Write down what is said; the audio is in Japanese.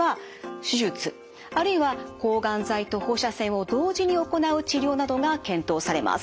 あるいは抗がん剤と放射線を同時に行う治療などが検討されます。